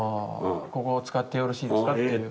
ここを使ってよろしいですかっていう。